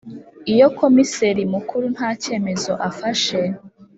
Iyo Komiseri Mukuru nta cyemezo afashe